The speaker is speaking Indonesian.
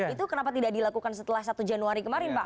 itu kenapa tidak dilakukan setelah satu januari kemarin pak